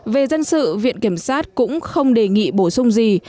về dân sự viện kiểm sát cũng không đề nghị bổ sung gì